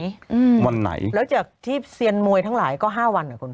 แล้วจากที่เซียนมวยทั้งหลายก็๕วันนะคุณ